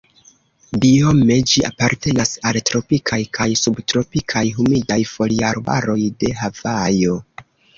Biome ĝi apartenas al tropikaj kaj subtropikaj humidaj foliarbaroj de Havajo.